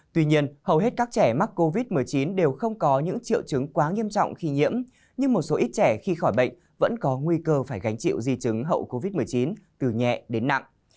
tuy nhiên hầu hết các trẻ mắc covid một mươi chín đều không có những triệu chứng quá nghiêm trọng khi nhiễm nhưng một số ít trẻ khi khỏi bệnh vẫn có nguy cơ phải gánh chịu di chứng hậu covid một mươi chín từ nhẹ đến nặng